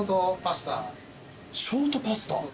ショートパスタ？